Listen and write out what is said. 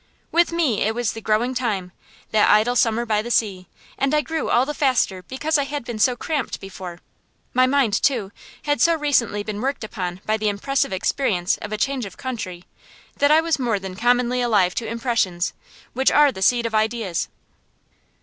With me it was the growing time, that idle summer by the sea, and I grew all the faster because I had been so cramped before. My mind, too, had so recently been worked upon by the impressive experience of a change of country that I was more than commonly alive to impressions, which are the seeds of ideas.